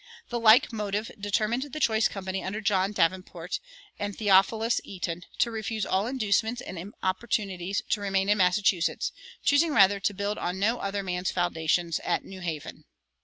"[102:1] The like motive determined the choice company under John Davenport and Theophilus Eaton to refuse all inducements and importunities to remain in Massachusetts, choosing rather to build on no other man's foundations at New Haven.